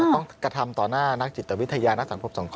ต้องกระทำต่อหน้านักจิตวิทยานักสังคมสงครา